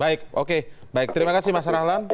baik oke baik terima kasih mas rahlan